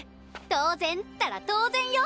当然ったら当然よ！